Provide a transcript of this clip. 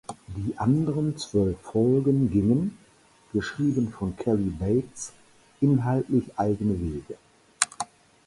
Die anderen zwölf Folgen gingen, geschrieben von Cary Bates, inhaltlich eigene Wege.